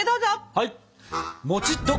はい！